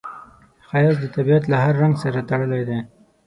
ښایست د طبیعت له هر رنګ سره تړلی دی